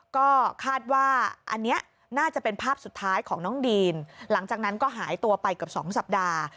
ก็คาดว่าอันนี้น่าจะเป็นภาพสุดท้ายของน้องดีนหลังจากนั้นก็หายตัวไปเกือบ๒สัปดาห์